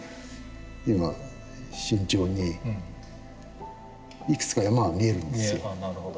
今慎重にいくつか山は見えるんですよ。